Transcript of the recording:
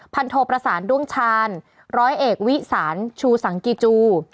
โทประสานด้วงชาญร้อยเอกวิสานชูสังกิจู